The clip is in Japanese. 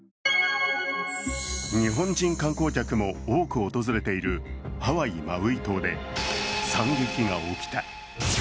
日本人観光客も多く訪れているハワイ・マウイ島で惨劇が起きた。